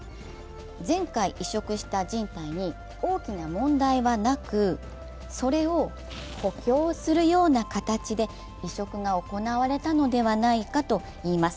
前回移植したじん帯に大きな問題はなく、それを補強するような形で移植が行われたのではないかといいます。